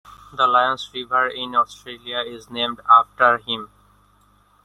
The Lyons River in Australia is named after him.